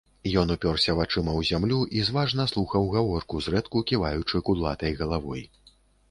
Ён упёрся вачыма ў зямлю і зважна слухаў гаворку, зрэдку ківаючы кудлатай галавой.